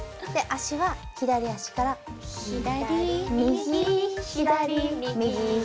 足は左足から左右左右左。